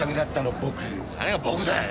何が「僕」だよ。